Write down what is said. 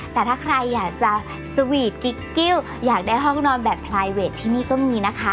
แต่ถ้าใครอยากจะสวีทกิ๊กกิ้วอยากได้ห้องนอนแบบพลายเวทที่นี่ก็มีนะคะ